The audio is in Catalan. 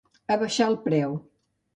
Abaixar el preu.